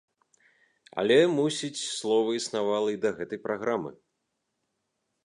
Але, мусіць, слова існавала і да гэтай праграмы.